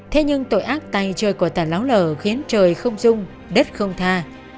thế nhưng tội ác tay chơi của tàn láo lở khiến trời không rung đất không tha